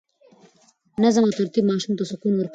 نظم او ترتیب ماشوم ته سکون ورکوي.